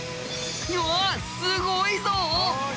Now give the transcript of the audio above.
うわすごいぞ！